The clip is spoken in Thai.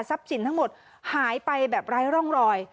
สินทั้งหมดหายไปแบบไร้ร่องรอย